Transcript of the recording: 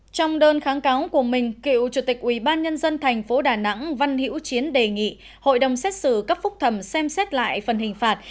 trong đơn kháng cáo của mình cựu chủ tịch ubnd tp đà nẵng văn hiễu chiến đề nghị hội đồng xét xử cấp phúc thẩm xem xét lại phần hình phạt